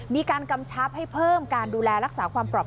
กำชับให้เพิ่มการดูแลรักษาความปลอบ